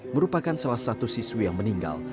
merupakan salah satu siswi yang meninggal